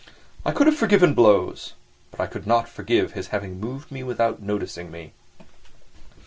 I could have forgiven blows, but I could not forgive his having moved me without noticing me.